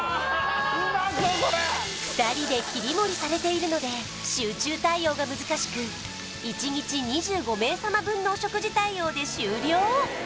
２人で切り盛りされているので集中対応が難しく１日２５名様分のお食事対応で終了